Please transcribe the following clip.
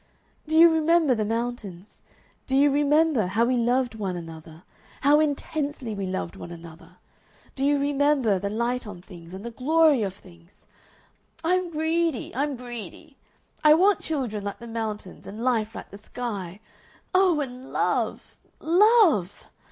"Do you remember the mountains? Do you remember how we loved one another? How intensely we loved one another! Do you remember the light on things and the glory of things? I'm greedy, I'm greedy! I want children like the mountains and life like the sky. Oh! and love love!